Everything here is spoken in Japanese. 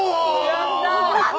やったー！